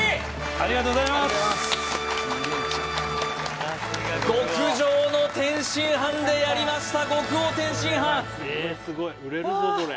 ありがとうございます極上の天津飯でやりました